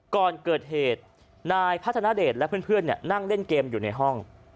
ก่อนเกิดเหตุนายพัฒนาเดชและเพื่อนนั่งเล่นเกมอยู่ในห้อง